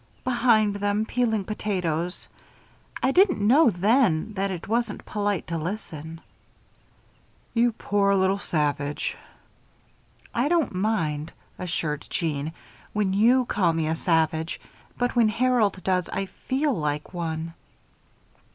"Behind them, peeling potatoes. I didn't know then that it wasn't polite to listen." "You poor little savage." "I don't mind," assured Jeanne, "when you call me a savage; but when Harold does, I feel like one."